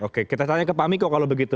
oke kita tanya ke pak miko kalau begitu